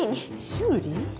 修理？